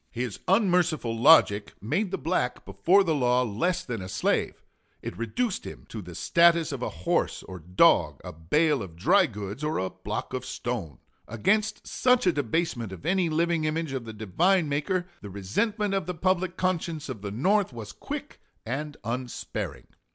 His unmerciful logic made the black before the law less than a slave; it reduced him to the status of a horse or dog, a bale of dry goods or a block of stone. Against such a debasement of any living image of the Divine Maker the resentment of the public conscience of the North was quick and unsparing.